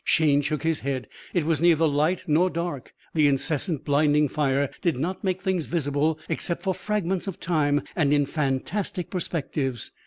Shayne shook his head. It was neither light nor dark. The incessant blinding fire did not make things visible except for fragments of time and in fantastic perspectives.